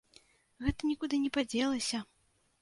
Гэта нікуды не падзелася.